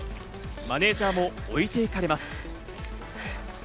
マネジャーも置いていかれます。